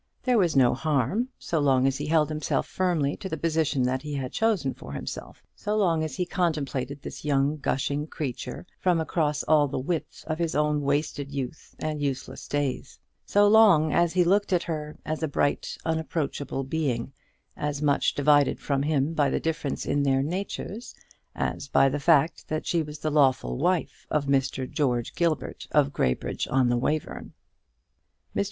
There was no harm, so long as he held firmly to the position he had chosen for himself; so long as he contemplated this young gushing creature from across all the width of his own wasted youth and useless days; so long as he looked at her as a bright unapproachable being, as much divided from him by the difference in their natures, as by the fact that she was the lawful wife of Mr. George Gilbert of Graybridge on the Wayverne. Mr.